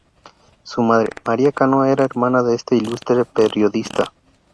Su madre, María Cano era hermana de este ilustre periodista.